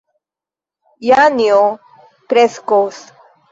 Janjo kreskos.